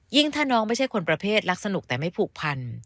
ถ้าน้องไม่ใช่คนประเภทรักสนุกแต่ไม่ผูกพัน